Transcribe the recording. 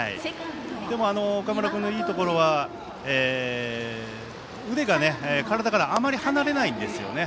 でも岡村君のいいところは腕が体からあまり離れないんですよね。